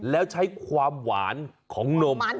แล้วใช้ความหวานของนม